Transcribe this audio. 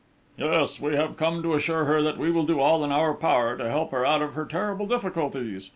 "Yes. We have come to assure her that we will do all in our power to help her out of her terrible difficulties.